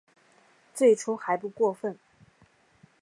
最初还不过分